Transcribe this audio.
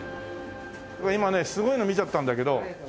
今ねすごいの見ちゃったんだけど。